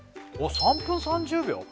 おっ３分３０秒？